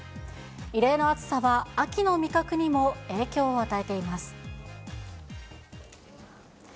異例の暑さは秋の味覚にも影響を与えています。